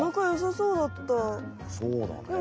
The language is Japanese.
そうだね。